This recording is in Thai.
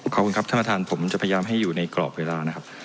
ขอบคุณครับท่านประธานผมจะพยายามให้อยู่ในกรอบเวลานะครับ